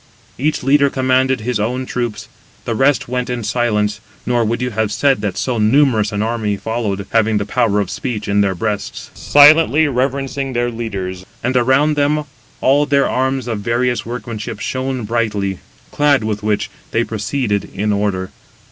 Each leader commanded his own troops. The rest went in silence (nor would you have said that so numerous an army followed, having the power of speech in their breasts), silently reverencing their leaders. And around them all their arms of various workmanship shone brightly; clad with which, they proceeded in order.